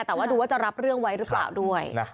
แต่ว่าดูว่าจะรับเรื่องไว้หรือเปล่าด้วย